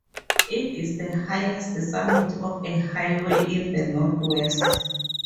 It is the highest summit of a highway in the Northwest.